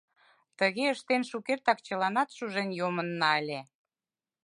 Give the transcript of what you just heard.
Тыге ыштен, шукертак чыланат шужен йомына ыле.